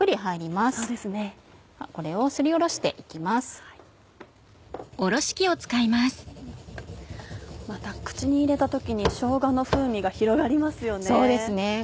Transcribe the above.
また口に入れた時にしょうがの風味が広がりますよね。